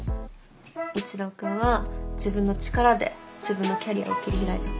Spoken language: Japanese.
一郎君は自分の力で自分のキャリアを切り開いたの。